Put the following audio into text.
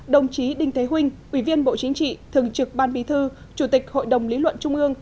đồng chí đinh thế vinh ủy viên bộ chính trị thường trực ban bí thư chủ tịch hội đồng lý luận trung ương